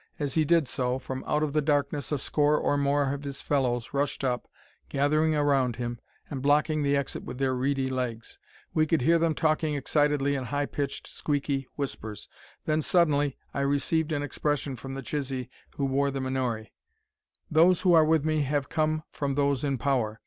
As he did so, from out of the darkness a score or more of his fellows rushed up, gathering around him, and blocking the exit with their reedy legs. We could hear than talking excitedly in high pitched, squeaky whispers. Then, suddenly I received an expression from the Chisee who wore the menore: "Those who are with me have come from those in power.